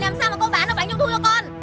làm sao mà con bán được bánh trung thu cho con